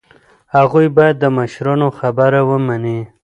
هغوی باید د مشرانو خبره ومني.